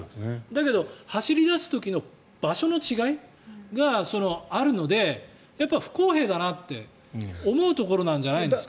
だけど、走り出す時の場所の違いがあるので不公平だなと思うところなんじゃないですか。